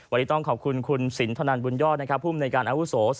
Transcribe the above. วันนี้ต้องขอบคุณคุณศิลป์ธนันต์บุญยอดผู้มูลในการอาวุศาสตร์